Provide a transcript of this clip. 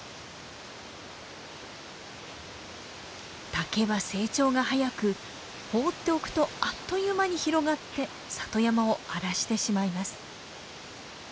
竹は成長が速く放っておくとあっという間に広がって里山を荒らしてしまいます。